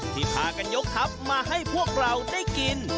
พากันยกทัพมาให้พวกเราได้กิน